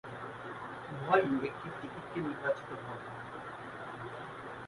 উভয়ই একই টিকিটে নির্বাচিত হন।